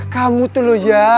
kamu tuh loh ya